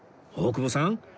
大久保さん